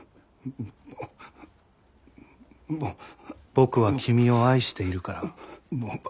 僕は君を愛しているから。